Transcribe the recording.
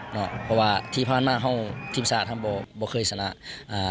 เพราะว่าที่พันธุ์มากทีมศาสตร์ที่เราทำไม่เคยสนา